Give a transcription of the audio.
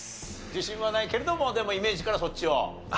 自信はないけれどもでもイメージからそっちを選んだと。